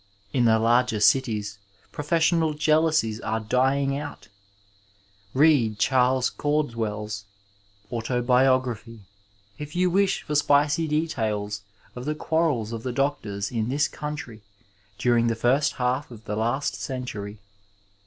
In the larger cities professional jealousies are dying out. Read Charles Caldwell's AtOdbiography if you wish for spicy details of the quarrels of the doctors in this country during the first half of the last century.